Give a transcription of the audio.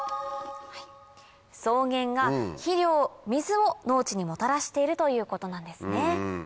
草原が肥料・水を農地にもたらしているということなんですね。